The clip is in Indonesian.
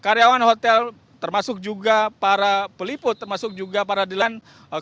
karyawan hotel termasuk juga para peliput termasuk juga paradilan